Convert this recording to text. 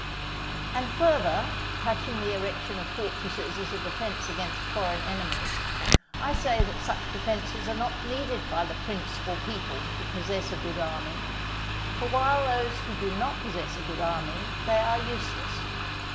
And, further, touching the erection of fortresses as a defence against foreign enemies, I say that such defences are not needed by the prince or people who possess a good army; while for those who do not possess a good army, they are useless.